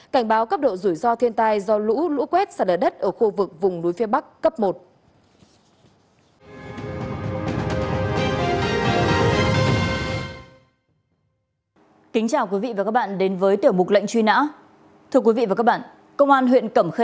cảnh báo cấp độ rủi ro thiên tai do lũ lũ quét sạt lở đất ở khu vực vùng núi phía bắc cấp một